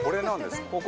ここ？